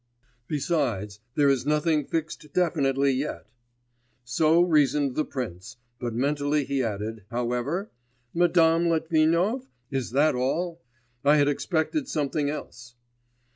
_ Besides, there is nothing fixed definitely yet.' So reasoned the prince, but mentally he added, however: 'Madame Litvinov is that all? I had expected something else.